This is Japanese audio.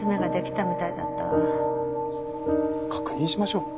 確認しましょう。